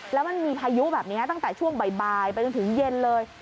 แล้วมันมีพายุแบบนี้ตั้งแต่ช่วงบ่ายไปจนถึงเย็นเลย